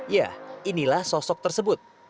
yah inilah sosok tersebut